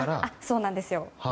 そうなんですよ。